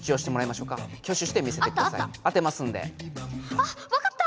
あっわかった。